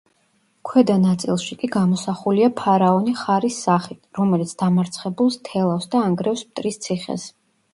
ქვედა ნაწილში კი გამოსახულია ფარაონი ხარის სახით, რომელიც დამარცხებულს თელავს და ანგრევს მტრის ციხეს.